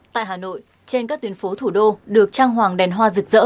tại hà nội trên các tuyến phố thủ đô được trang hoàng đèn hóa